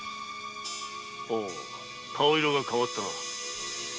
ほう顔色が変わったな。